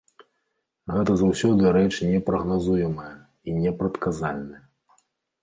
Гэта заўсёды рэч непрагназуемая і непрадказальная.